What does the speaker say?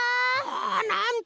あなんと！